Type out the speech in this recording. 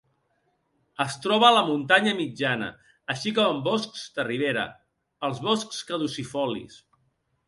Es troba a la muntanya mitjana així com en boscs de ribera, als boscs caducifolis.